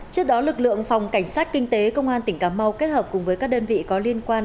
trước đó lực lượng phòng cảnh sát kinh tế công an tỉnh cà mau kết hợp cùng với các đơn vị có liên quan